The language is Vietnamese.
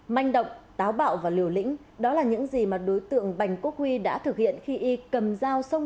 mạnh động táo bạo và liều lĩnh đó là những gì mà đối tượng bành quốc huy đã thực hiện khi cầm giao sông